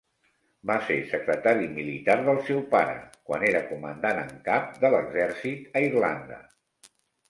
Va ser secretari militar del seu pare, quan era comandant en cap de l"exèrcit a Irlanda.